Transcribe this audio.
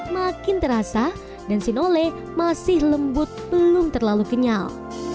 makin terasa dan sinole masih lembut belum terlalu kenyal